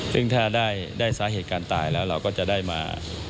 ซึ่งถ้าได้สาเหตุการณ์ตายแล้วเราก็จะได้มา